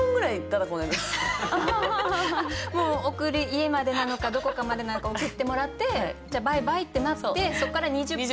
もう家までなのかどこかまでなのか送ってもらってじゃあバイバイってなってそこから２０分。